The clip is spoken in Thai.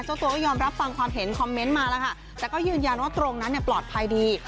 เจ้าตัวก็ยอมรับฟังความเห็นคอมเมนต์มาแล้วค่ะแต่ก็ยืนยันว่าตรงนั้นเนี่ยปลอดภัยดี